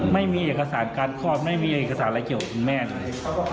ไม่มีเอกสารการคลอดไม่มีเอกสารอะไรเกี่ยวกับคุณแม่เลย